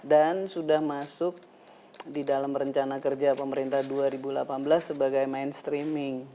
dan sudah masuk di dalam rencana kerja pemerintah dua ribu delapan belas sebagai mainstreaming